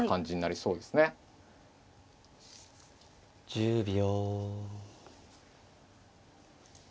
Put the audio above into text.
１０秒。